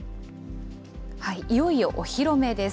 いよいよお披露目です。